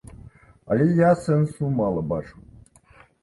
Але я сэнсу мала бачу.